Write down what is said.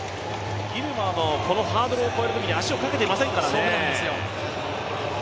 ギルマはハードルを越えるときに、足をかけていませんからね。